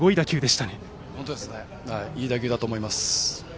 いい打球だったと思います。